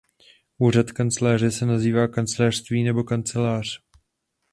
Úřad kancléře se nazývá kancléřství nebo kancelář.